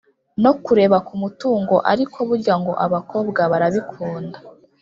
No kureba ku mutungo ariko burya ngo abakobwa barabikunda